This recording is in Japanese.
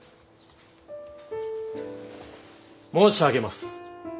・申し上げます